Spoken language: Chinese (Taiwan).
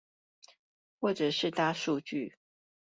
或者是大數據